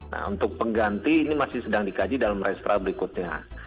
nah untuk pengganti ini masih sedang dikaji dalam restra berikutnya